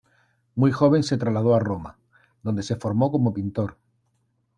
Muy joven se trasladó a Roma, donde se formó como pintor.